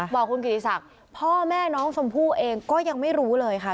บอกคุณกิติศักดิ์พ่อแม่น้องชมพู่เองก็ยังไม่รู้เลยค่ะ